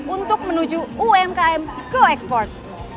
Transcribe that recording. untuk menuju umkm coexport